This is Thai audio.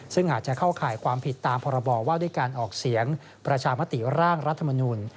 ซึ่งอาจจะเข้าข่ายความผิดตามพรบว่าด้วยการออกเสียงประชามติร่างรัฐมนุน